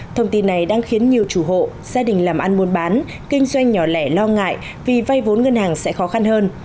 thông tin này đang khiến nhiều chủ hộ gia đình làm ăn buôn bán kinh doanh nhỏ lẻ lo ngại vì vay vốn ngân hàng sẽ khó khăn hơn